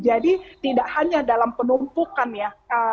jadi tidak hanya dalam penumpukan ya